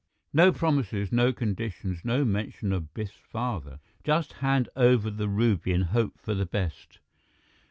No promises, no conditions, no mention of Biff's father. Just hand over the ruby and hope for the best.